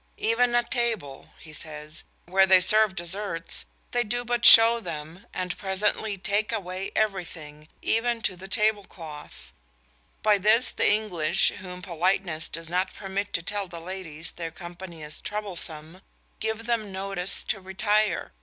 "Even at table," he says, "where they serve desserts, they do but show them, and presently take away everything, even to the tablecloth. By this the English, whom politeness does not permit to tell the ladies their company is troublesome, give them notice to retire....